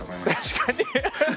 確かに！